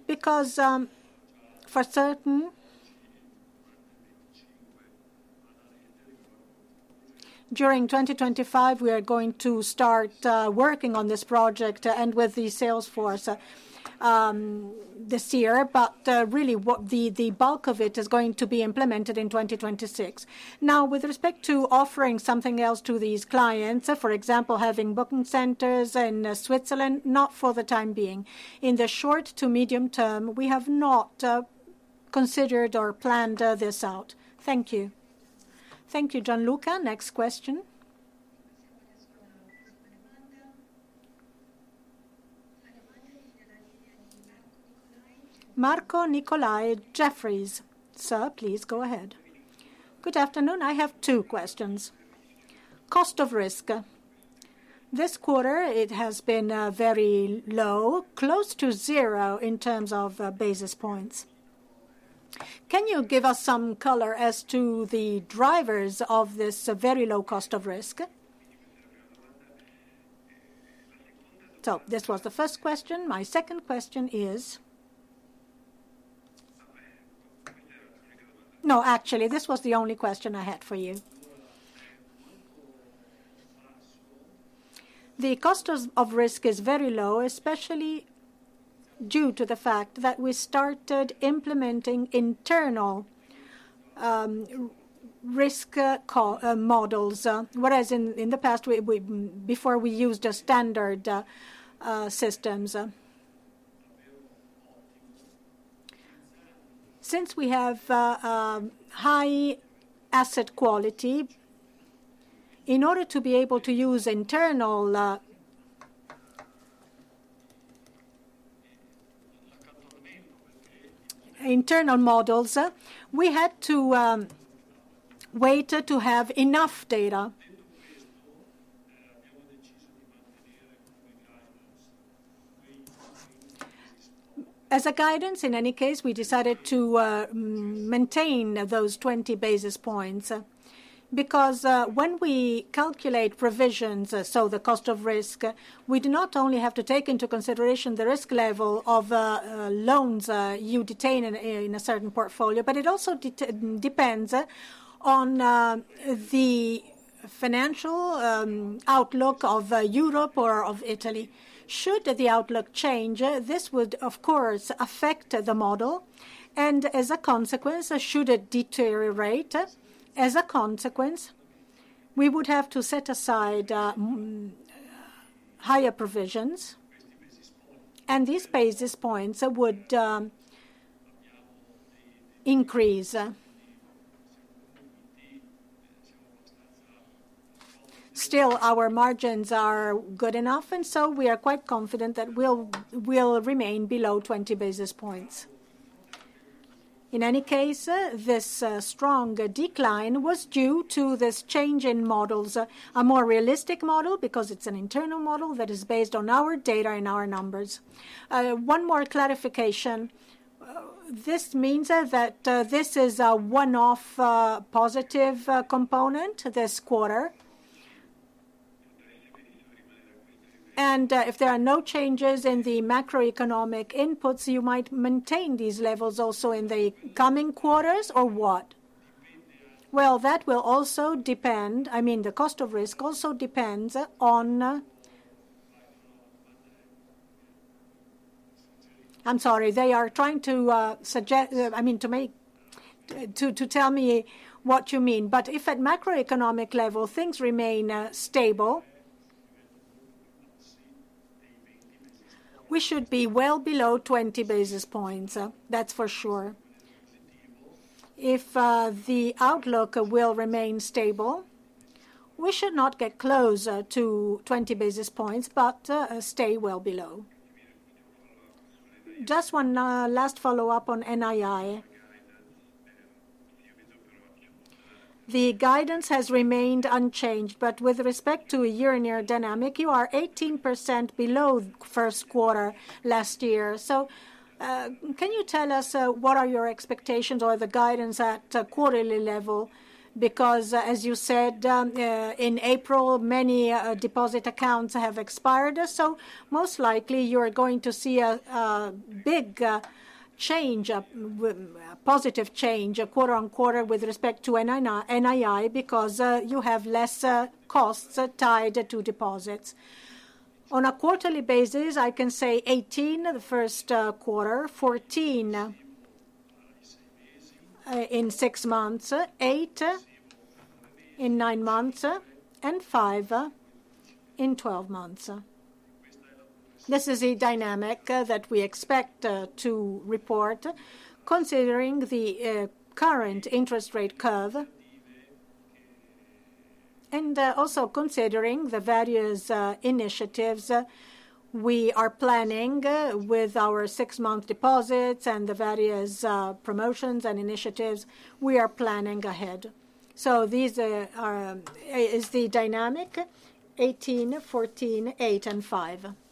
because for certain during 2025, we are going to start working on this project and with the sales force this year. But really, the bulk of it is going to be implemented in 2026. Now, with respect to offering something else to these clients, for example, having booking centers in Switzerland, not for the time being. In the short to medium term, we have not considered or planned this out. Thank you. Thank you, Gianluca. Next question. Marco Nicolai, Jefferies. Sir, please go ahead. Good afternoon. I have two questions. Cost of risk. This quarter, it has been very low, close to zero in terms of basis points. Can you give us some color as to the drivers of this very low cost of risk? So this was the first question. My second question is no, actually, this was the only question I had for you. The cost of risk is very low, especially due to the fact that we started implementing internal risk models, whereas in the past, before we used just standard systems. Since we have high asset quality, in order to be able to use internal models, we had to wait to have enough data. As a guidance, in any case, we decided to maintain those 20 basis points because when we calculate provisions, so the cost of risk, we do not only have to take into consideration the risk level of loans you retain in a certain portfolio, but it also depends on the financial outlook of Europe or of Italy. Should the outlook change, this would, of course, affect the model, and as a consequence, should it deteriorate, as a consequence, we would have to set aside higher provisions, and these basis points would increase. Still, our margins are good enough, and so we are quite confident that we'll remain below 20 basis points. In any case, this strong decline was due to this change in models, a more realistic model because it's an internal model that is based on our data and our numbers. One more clarification. This means that this is a one-off positive component, this quarter. And if there are no changes in the macroeconomic inputs, you might maintain these levels also in the coming quarters or what? Well, that will also depend. I mean, the cost of risk also depends on I'm sorry, they are trying to suggest, I mean, to tell me what you mean. But if at macroeconomic level, things remain stable, we should be well below 20 basis points. That's for sure. If the outlook will remain stable, we should not get close to 20 basis points but stay well below. Just one last follow-up on NII. The guidance has remained unchanged, but with respect to year-on-year dynamic, you are 18% below first quarter last year. So can you tell us what are your expectations or the guidance at quarterly level? Because, as you said, in April, many deposit accounts have expired. So most likely, you are going to see a big change, a positive change, quarter on quarter with respect to NII because you have less costs tied to deposits. On a quarterly basis, I can say 18 the first quarter, 14 in six months, 8 in nine months, and 5 in 12 months. This is a dynamic that we expect to report, considering the current interest rate curve and also considering the various initiatives we are planning with our six-month deposits and the various promotions and initiatives we are planning ahead. So this is the dynamic: 18, 14, 8, and 5. Thank you.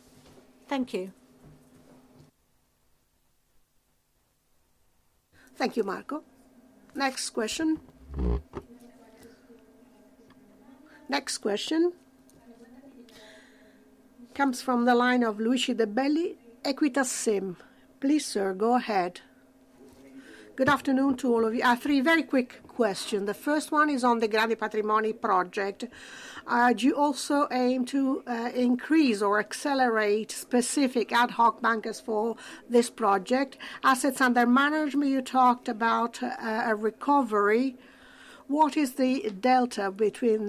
Thank you, Marco. Next question. Next question comes from the line of Luigi De Bellis, Equita SIM. Please, sir, go ahead. Good afternoon to all of you. I have three very quick questions. The first one is on the Grandi Patrimoni project. Do you also aim to increase or accelerate specific ad hoc bankers for this project? Assets under management, you talked about a recovery. What is the delta between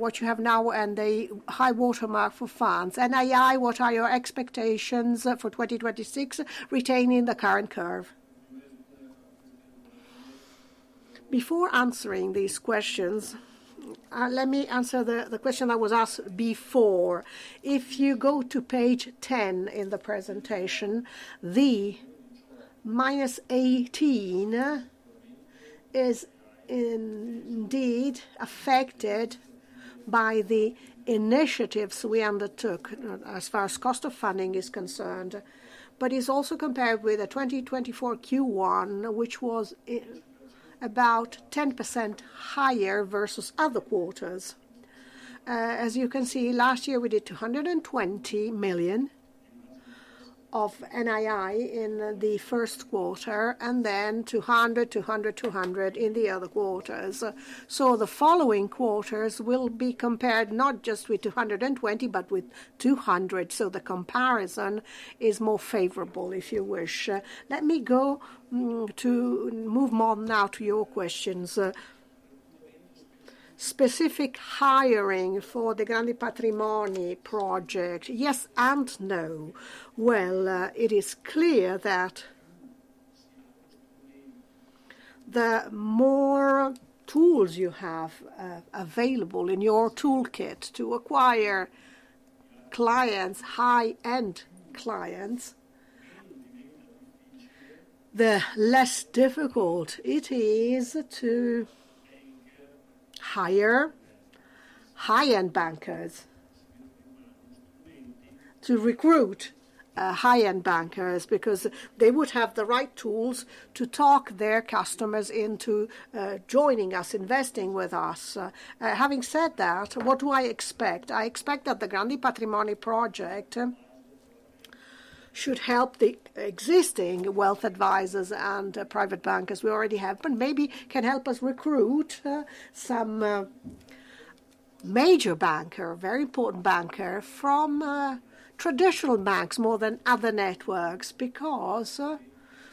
what you have now and the high watermark for funds? NII, what are your expectations for 2026 retaining the current curve? Before answering these questions, let me answer the question that was asked before. If you go to page 10 in the presentation, the minus 18 is indeed affected by the initiatives we undertook as far as cost of funding is concerned, but it's also compared with a 2024 Q1, which was about 10% higher versus other quarters. As you can see, last year, we did 220 million of NII in the first quarter and then 200, 200, 200 in the other quarters. So the following quarters will be compared not just with 220 but with 200. So the comparison is more favorable, if you wish. Let me go to move on now to your questions. Specific hiring for the Grandi Patrimoni project, yes and no. Well, it is clear that the more tools you have available in your toolkit to acquire clients, high-end clients, the less difficult it is to hire high-end bankers, to recruit high-end bankers because they would have the right tools to talk their customers into joining us, investing with us. Having said that, what do I expect? I expect that the Grandi Patrimoni project should help the existing Wealth Advisors and Private Bankers we already have, but maybe can help us recruit some major banker, very important banker from traditional banks more than other networks because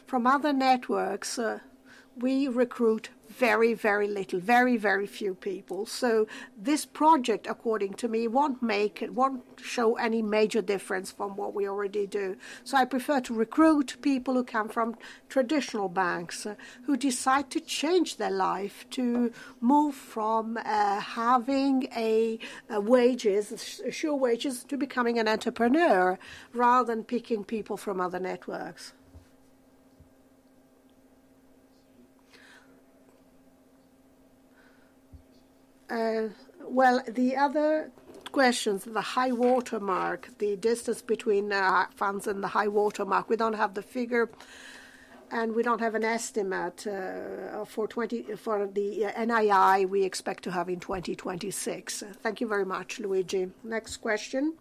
from other networks, we recruit very, very little, very, very few people. So this project, according to me, won't show any major difference from what we already do. So I prefer to recruit people who come from traditional banks who decide to change their life to move from having wages, sure wages, to becoming an entrepreneur rather than picking people from other networks. Well, the other questions, the high watermark, the distance between funds and the high watermark, we don't have the figure and we don't have an estimate for the NII we expect to have in 2026. Thank you very much, Luigi. Next question.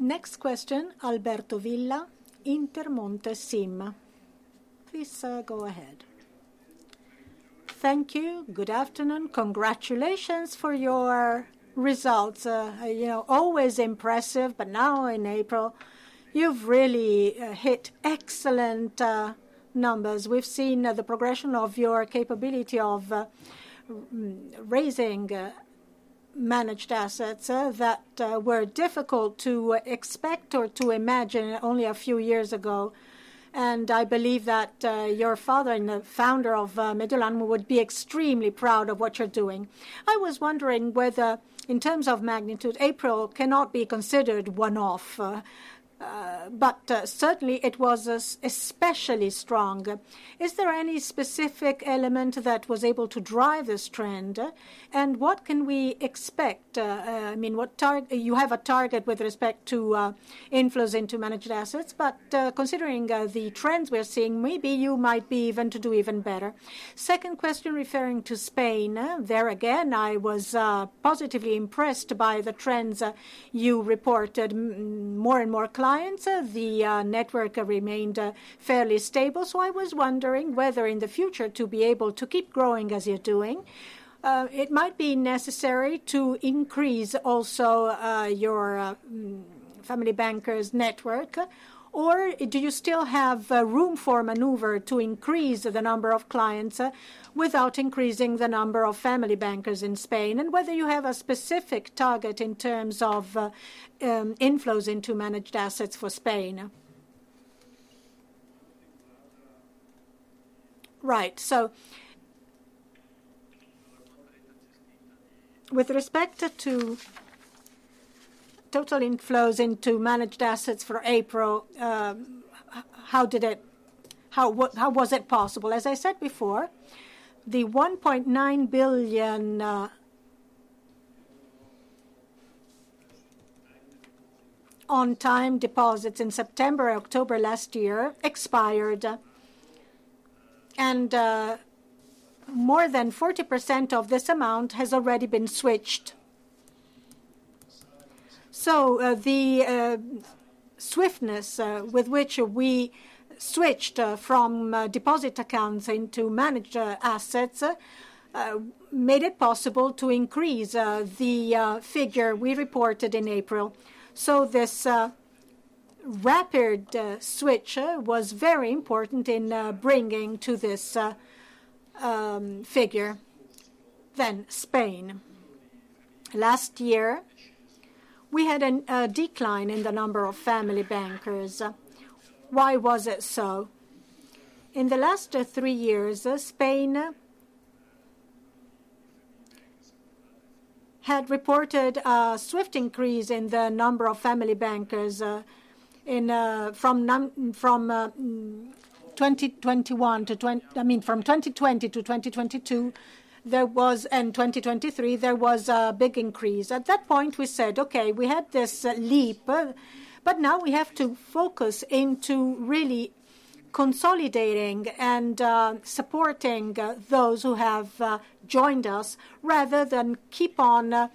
Next question, Alberto Villa, Intermonte SIM. Please go ahead. Thank you. Good afternoon. Congratulations for your results. Always impressive, but now in April, you've really hit excellent numbers. We've seen the progression of your capability of raising managed assets that were difficult to expect or to imagine only a few years ago. I believe that your father and the founder of Mediolanum would be extremely proud of what you're doing. I was wondering whether, in terms of magnitude, April cannot be considered one-off, but certainly, it was especially strong. Is there any specific element that was able to drive this trend? And what can we expect? I mean, you have a target with respect to inflows into managed assets, but considering the trends we're seeing, maybe you might be able to do even better. Second question referring to Spain. There again, I was positively impressed by the trends you reported. More and more clients, the network remained fairly stable. I was wondering whether in the future, to be able to keep growing as you're doing, it might be necessary to increase also your Family Bankers' network, or do you still have room for maneuver to increase the number of clients without increasing the number of Family Bankers in Spain? And whether you have a specific target in terms of inflows into managed assets for Spain. Right. So with respect to total inflows into managed assets for April, how was it possible? As I said before, the 1.9 billion time deposits in September, October last year expired, and more than 40% of this amount has already been switched. So the swiftness with which we switched from deposit accounts into managed assets made it possible to increase the figure we reported in April. So this rapid switch was very important in bringing to this figure. Then Spain. Last year, we had a decline in the number of Family Bankers. Why was it so? In the last three years, Spain had reported a swift increase in the number of Family Bankers from 2021 to, I mean, from 2020 to 2022, and 2023, there was a big increase. At that point, we said, "Okay, we had this leap, but now we have to focus into really consolidating and supporting those who have joined us rather than keep on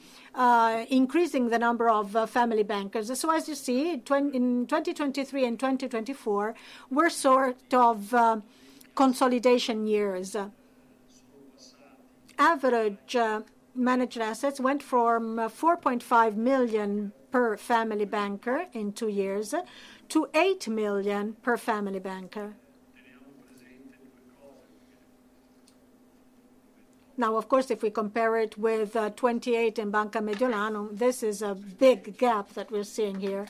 increasing the number of Family Bankers." So as you see, in 2023 and 2024, we're sort of consolidation years. Average managed assets went from 4.5 million per Family Banker in two years to 8 million per Family Banker. Now, of course, if we compare it with 28 in Banca Mediolanum, this is a big gap that we're seeing here.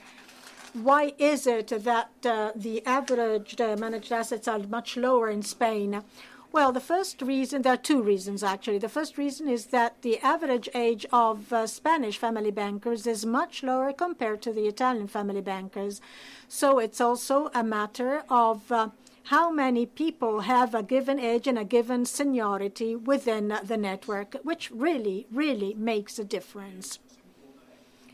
Why is it that the average managed assets are much lower in Spain? Well, the first reason, there are two reasons, actually. The first reason is that the average age of Spanish Family Bankers is much lower compared to the Italian Family Bankers. So it's also a matter of how many people have a given age and a given seniority within the network, which really, really makes a difference.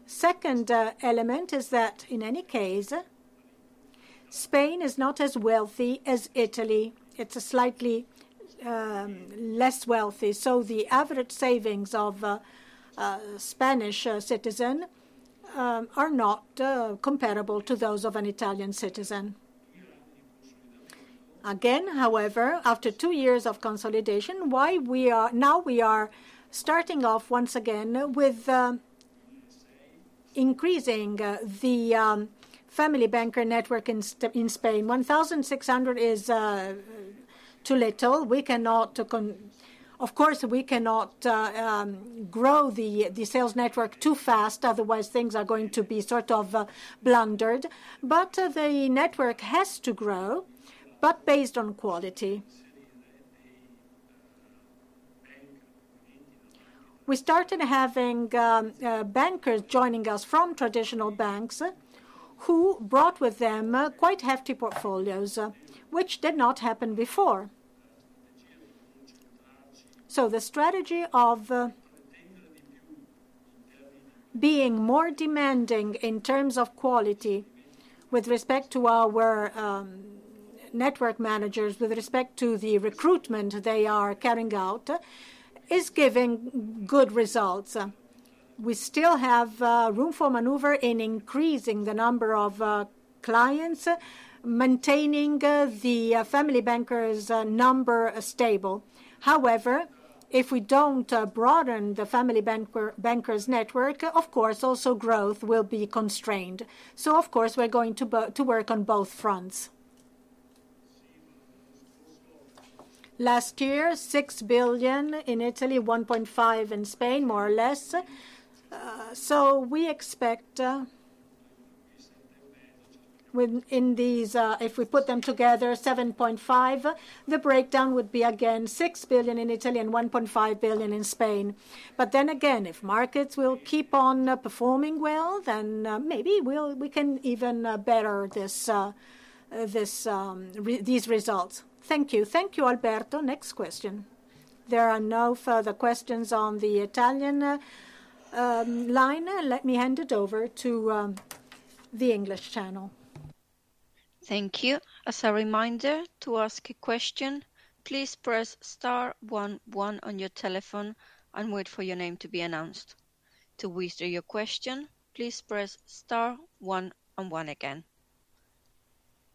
Second element is that, in any case, Spain is not as wealthy as Italy. It's slightly less wealthy. So the average savings of a Spanish citizen are not comparable to those of an Italian citizen. Again, however, after two years of consolidation, why now we are starting off once again with increasing the Family Banker network in Spain? 1,600 is too little. Of course, we cannot grow the sales network too fast, otherwise things are going to be sort of blundered. But the network has to grow, but based on quality. We started having bankers joining us from traditional banks who brought with them quite hefty portfolios, which did not happen before. So the strategy of being more demanding in terms of quality with respect to our network managers, with respect to the recruitment they are carrying out, is giving good results. We still have room for maneuver in increasing the number of clients, maintaining the Family Bankers' number stable. However, if we don't broaden the Family Bankers' network, of course, also growth will be constrained. So, of course, we're going to work on both fronts. Last year, 6 billion in Italy, 1.5 billion in Spain, more or less. So we expect in these, if we put them together, 7.5 billion, the breakdown would be again 6 billion in Italy and 1.5 billion in Spain. But then again, if markets will keep on performing well, then maybe we can even better these results. Thank you. Thank you, Alberto. Next question. There are no further questions on the Italian line. Let me hand it over to the English channel. Thank you. As a reminder to ask a question, please press star 11 on your telephone and wait for your name to be announced. To withdraw your question, please press star 11 again.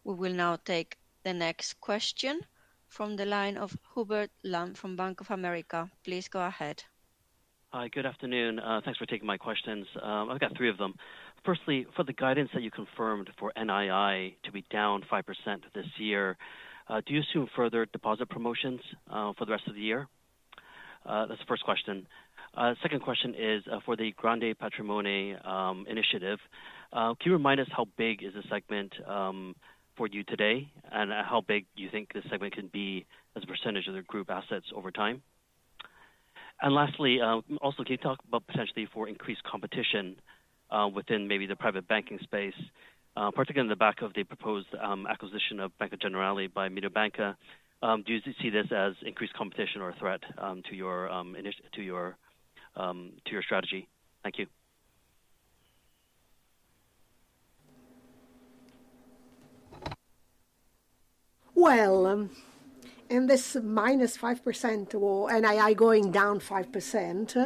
We will now take the next question from the line of Hubert Lam from Bank of America. Please go ahead. Hi, good afternoon. Thanks for taking my questions. I've got three of them. Firstly, for the guidance that you confirmed for NII to be down 5% this year, do you assume further deposit promotions for the rest of the year? That's the first question. Second question is for the Grandi Patrimoni initiative. Can you remind us how big is the segment for you today and how big do you think the segment can be as a percentage of their group assets over time? And lastly, also, can you talk about potential for increased competition within maybe the private banking space, particularly in the wake of the proposed acquisition of Banca Generali by Mediolanum? Do you see this as increased competition or a threat to your strategy? Thank you. Well, in this -5%, NII going down 5%,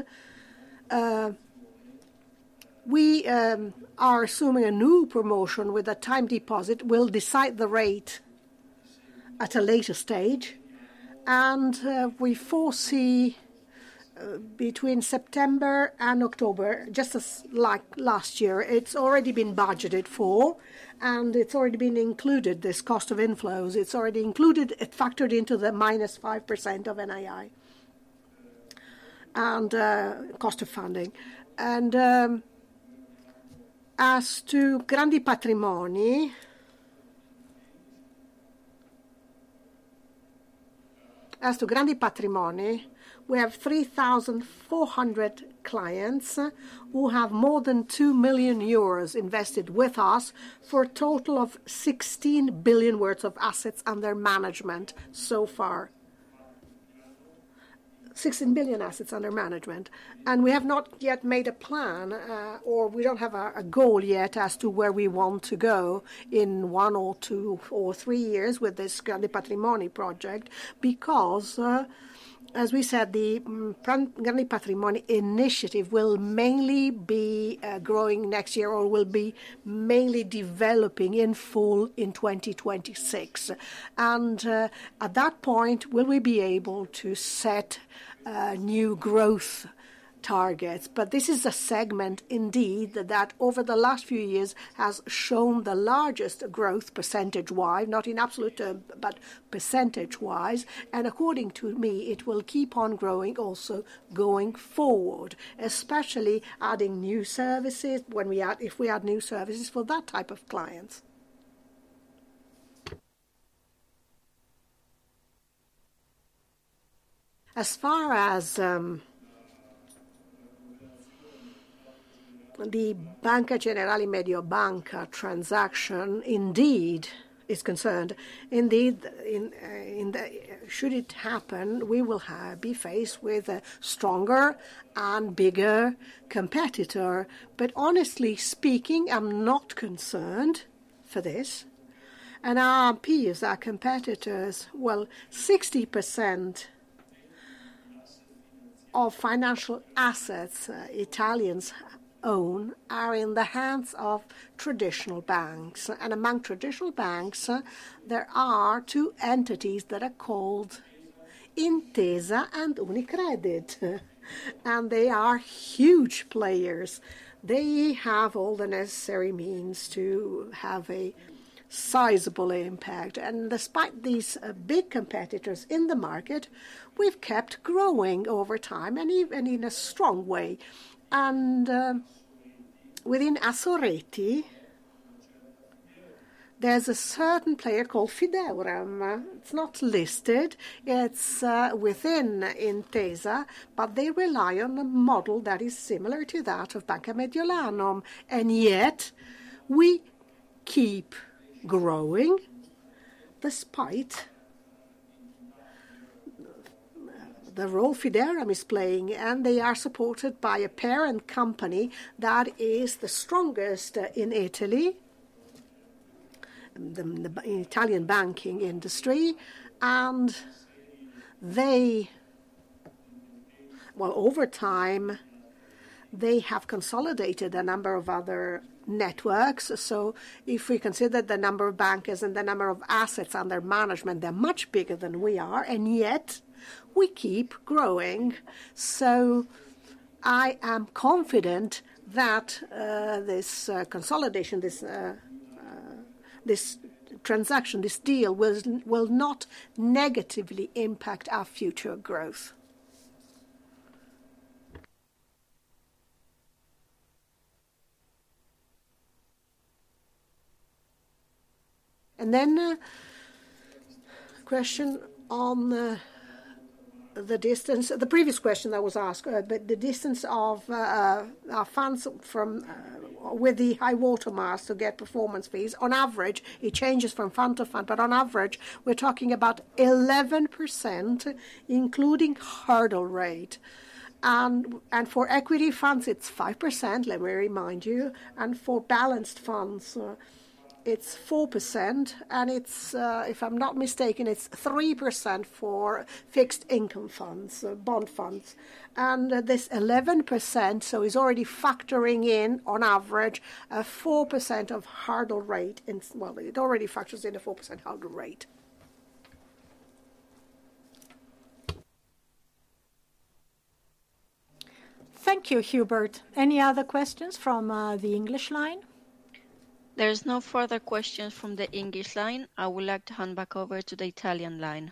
we are assuming a new promotion with a time deposit. We'll decide the rate at a later stage. And we foresee between September and October, just like last year, it's already been budgeted for and it's already been included, this cost of inflows. It's already included, it factored into the minus 5% of NII and cost of funding. As to Grandi Patrimoni, as to Grandi Patrimoni, we have 3,400 clients who have more than 2 million euros invested with us for a total of 16 billion EUR worth of assets under management so far. 16 billion EUR assets under management. We have not yet made a plan or we don't have a goal yet as to where we want to go in one or two or three years with this Grandi Patrimoni project because, as we said, the Grandi Patrimoni initiative will mainly be growing next year or will be mainly developing in full in 2026. And at that point, will we be able to set new growth targets? This is a segment indeed that over the last few years has shown the largest growth percentage-wise, not in absolute terms, but percentage-wise. And according to me, it will keep on growing also going forward, especially adding new services if we add new services for that type of clients. As far as the Banca Generali-Mediobanca transaction indeed is concerned, indeed, should it happen, we will be faced with a stronger and bigger competitor. But honestly speaking, I'm not concerned for this. And our peers, our competitors, well, 60% of financial assets Italians own are in the hands of traditional banks. And among traditional banks, there are two entities that are called Intesa and UniCredit. And they are huge players. They have all the necessary means to have a sizable impact. And despite these big competitors in the market, we've kept growing over time and even in a strong way. And within Assoreti, there's a certain player called Fideuram. It's not listed. It's within Intesa, but they rely on a model that is similar to that of Banca Mediolanum. Yet, we keep growing despite the role Fideuram is playing. They are supported by a parent company that is the strongest in Italy, in the Italian banking industry. They, well, over time, have consolidated a number of other networks. If we consider the number of bankers and the number of assets under management, they're much bigger than we are. Yet, we keep growing. I am confident that this consolidation, this transaction, this deal will not negatively impact our future growth. Then a question on the distance, the previous question that was asked, but the distance of our funds from the high watermarks to get performance fees. On average, it changes from fund to fund, but on average, we're talking about 11%, including hurdle rate. And for equity funds, it's 5%, let me remind you. And for balanced funds, it's 4%. And if I'm not mistaken, it's 3% for fixed income funds, bond funds. And this 11%, so it's already factoring in, on average, 4% of hurdle rate. Well, it already factors in a 4% hurdle rate. Thank you, Hubert. Any other questions from the English line? There's no further questions from the English line. I would like to hand back over to the Italian line.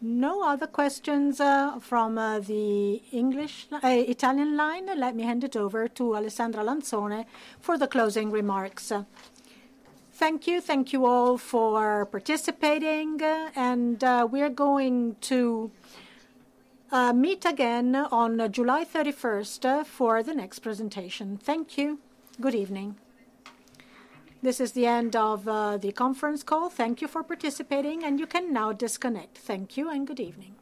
No other questions from the Italian line. Let me hand it over to Alessandra Lanzone for the closing remarks. Thank you. Thank you all for participating. And we're going to meet again on July 31st for the next presentation. Thank you. Good evening. This is the end of the conference call. Thank you for participating, and you can now disconnect. Thank you and good evening.